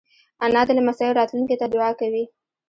انا د لمسیو راتلونکې ته دعا کوي